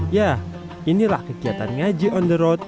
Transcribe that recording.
ya inilah kegiatan ngaji on the road